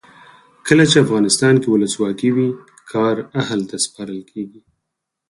کله چې افغانستان کې ولسواکي وي کار اهل ته سپارل کیږي.